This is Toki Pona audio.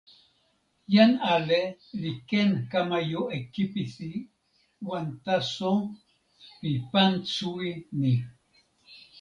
jan ale li ken kama jo e kipisi wan taso pi pan suwi ni.